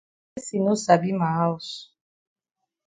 De person no sabi ma haus.